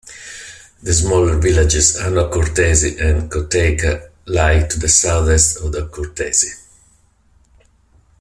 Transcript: The smaller villages Ano Kourtesi and Kotteika lie to the southeast of Kourtesi.